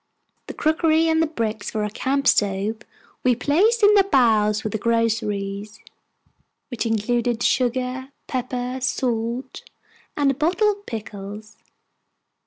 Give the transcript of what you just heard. The crockery and the bricks for our camp stove we placed in the bows, with the groceries, which included sugar, pepper, salt, and a bottle of pickles.